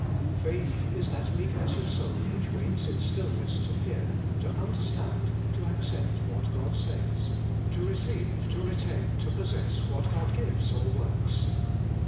Faith is that meekness of soul which waits in stillness to hear, to understand, to accept what God says ; to receive, to retain, to possess what God gives or works.